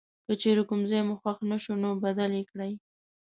که چیرې کوم ځای مو خوښ نه شو نو بدل یې کړئ.